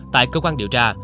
tại cơ quan điều tra